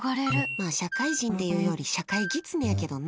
まあ社会人っていうより社会ギツネやけどな。